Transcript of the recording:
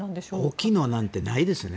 大きいのなんてないですね。